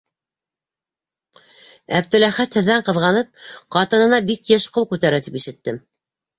- Әптеләхәт, һеҙҙән ҡыҙғанып, ҡатынына бик йыш ҡул күтәрә тип ишеттем.